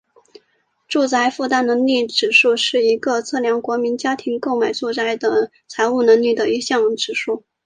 住宅负担能力指数是一个测量国民家庭购买住宅的财务能力的一项指数。